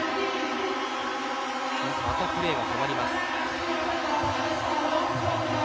またプレーが止まります。